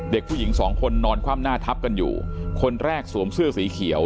เด็กผู้หญิงสองคนนอนคว่ำหน้าทับกันอยู่คนแรกสวมเสื้อสีเขียว